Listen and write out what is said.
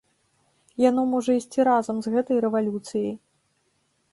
Яно можа ісці разам з гэтай рэвалюцыяй.